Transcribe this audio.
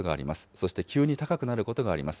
そして急に高くなることがあります。